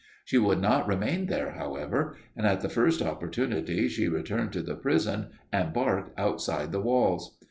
She would not remain there, however, and at the first opportunity she returned to the prison and barked outside the walls.